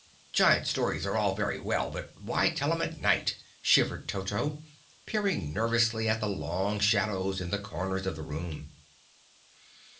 "Giant stories are all very well, but why tell 'em at night?" shivered Toto, peering nervously at the long shadows in the corners of the room.